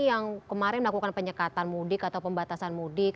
yang kemarin melakukan penyekatan mudik atau pembatasan mudik